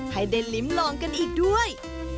ให้ได้ลิ้มลองกันอีกด้วย